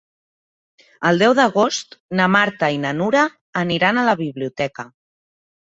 El deu d'agost na Marta i na Nura aniran a la biblioteca.